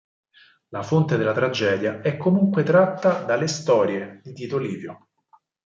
La fonte della tragedia è comunque tratta dalle "Storie" di Tito Livio.